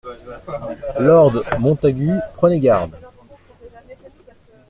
Lord Montagu Prenez garde.